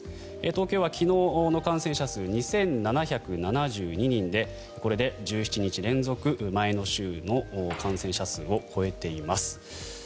東京は昨日の感染者数２７７２人でこれで１７日連続前の週の感染者数を超えています。